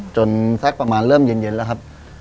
สักประมาณเริ่มเย็นแล้วครับ